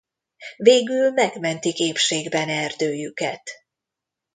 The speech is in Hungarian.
Végül megmentik épségben erdőjüket.